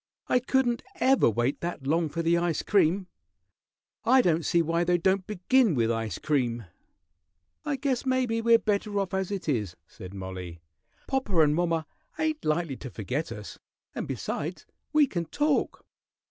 I couldn't ever wait that long for the ice cream. I don't see why they don't begin with ice cream." "I guess maybe we're better off as it is," said Mollie. "Popper and mommer ain't likely to forget us, and, besides, we can talk."